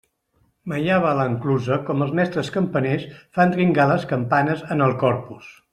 Mallava a l'enclusa com els mestres campaners fan dringar les campanes en el Corpus.